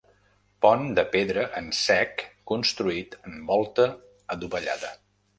Pont de pedra en sec construït amb volta adovellada.